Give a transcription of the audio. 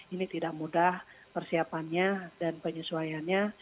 ini tidak mudah persiapannya dan penyesuaiannya